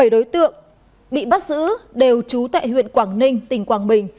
bảy đối tượng bị bắt giữ đều trú tại huyện quảng ninh tp hcm